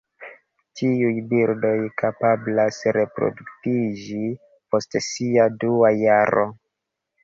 Tiuj birdoj kapablas reproduktiĝi post sia dua jaro.